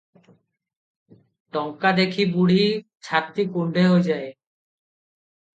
ଟଙ୍କା ଦେଖି ବୁଢ଼ୀ ଛାତି କୁଣ୍ଢେ ହୋଇଯାଏ ।